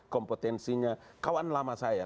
kompetensinya kawan lama saya